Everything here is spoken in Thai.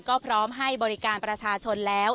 ก็พร้อมให้บริการประชาชนแล้ว